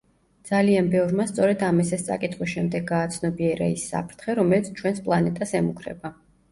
ძალიან ბევრმა სწორედ ამ ესეს წაკითხვის შემდეგ გააცნობიერა ის საფრთხე, რომელიც ჩვენს პლანეტას ემუქრება.